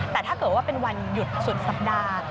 แต่ถ้าเกิดว่าเป็นวันหยุดสุดสัปดาห์